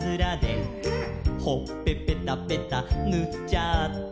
「ほっぺぺたぺたぬっちゃった」